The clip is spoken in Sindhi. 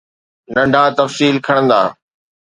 ننڍا تفصيل کڻندا